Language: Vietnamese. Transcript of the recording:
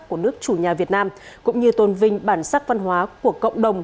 của nước chủ nhà việt nam cũng như tôn vinh bản sắc văn hóa của cộng đồng